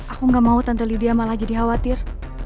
aku gak mau tante lidia malah jadi khawatir